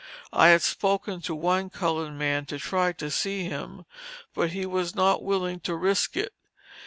I had spoken to one colored man to try to see him, but he was not willing to risk it.